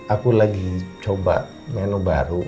aku lagi coba menu baru